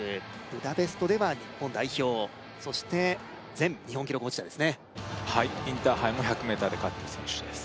ブダペストでは日本代表そして前日本記録保持者ですねはいインターハイも１００ｍで勝ってる選手です